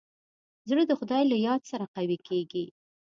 زړه د خدای له یاد سره قوي کېږي.